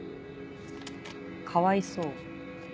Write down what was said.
かわいそう？